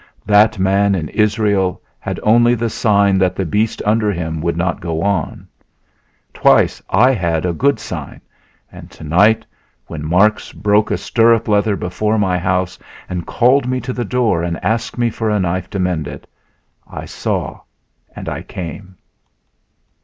That man in Israel had only the sign that the beast under him would not go on. Twice I had as good a sign, and tonight, when Marks broke a stirrup leather before my house and called me to the door and asked me for a knife to mend it, I saw and I came!"